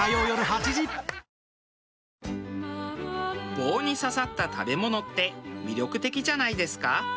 棒に刺さった食べ物って魅力的じゃないですか？